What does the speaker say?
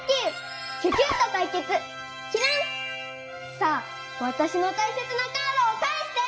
さあわたしの大切なカードをかえして！